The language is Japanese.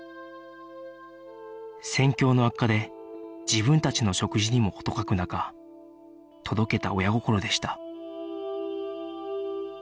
戦況の悪化で自分たちの食事にも事欠く中届けた親心でした